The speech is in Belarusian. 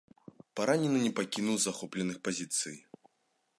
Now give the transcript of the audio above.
Паранены не пакінуў захопленых пазіцый.